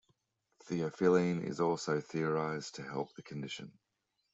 Theophylline is also theorized to help the condition.